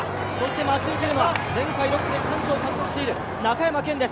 待ち受けるのは前回６区で区間賞を獲得している中山顕です。